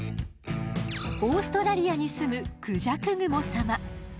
オーストラリアにすむクジャクグモ様。